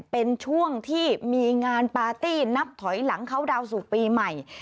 เป็นช่วงที่มีงานปาร์ตี้นับถอยหลังเข้าดาวนสู่ปีใหม่